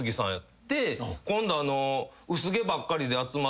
「今度」